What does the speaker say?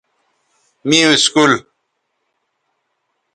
می اسکول